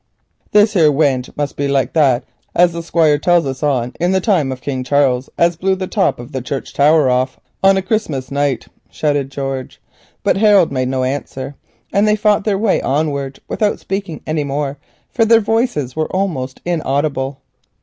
"This here timpest must be like that as the Squire tells us on in the time of King Charles, as blew the top of the church tower off on a Christmas night," shouted George. But Harold made no answer, and they fought their way onward without speaking any more, for their voices were almost inaudible.